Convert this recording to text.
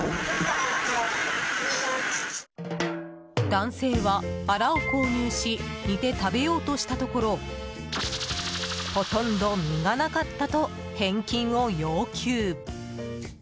男性は、アラを購入し煮て食べようとしたところほとんど身がなかったと返金を要求。